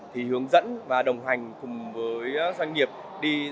thì hướng dẫn và đồng hành cùng với doanh nghiệp đi